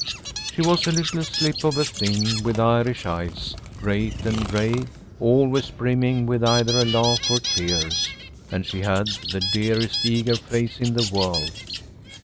She was a little slip of a thing with Irish eyes, great and grey, always brimming with either a laugh or tears; and she had the dearest eager face in the world.